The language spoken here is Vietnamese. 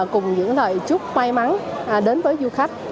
cùng những lời chúc may mắn đến với du khách